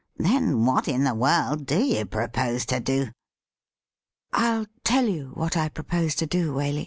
Then, what in the world do you propose to do .?'' I'll tell you what I propose to do, Waley.